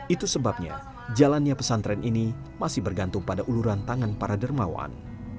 itu sebabnya jalannya pesantren ini masih bergantung pada uluran tangan para dermawan